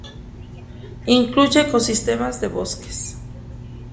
Incluye ecosistemas de bosques.